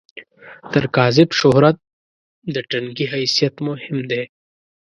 تر کاذب شهرت، د ټنګي حیثیت مهم دی.